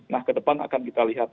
nah kedepan akan kita lihat